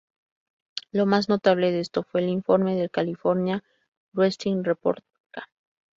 Lo más notable de esto fue el Informe del California Wrestling Report, ca.